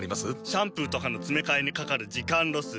シャンプーとかのつめかえにかかる時間ロス。